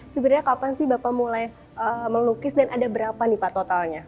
sebenarnya kapan sih bapak mulai melukis dan ada berapa nih pak totalnya